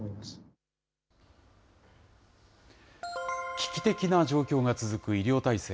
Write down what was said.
危機的な状況が続く医療体制。